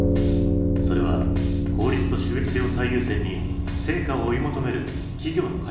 それは効率と収益性を最優先に成果を追い求める企業のカリカチュアだ。